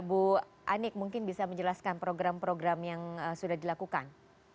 bu anik mungkin bisa menjelaskan program program yang sudah dilakukan